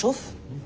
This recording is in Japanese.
うん。